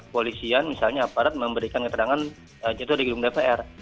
polisian misalnya aparat memberikan keterangan jatuh di gedung dpr